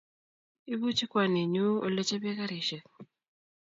Ipuchi kwaninyu ole chabee garishek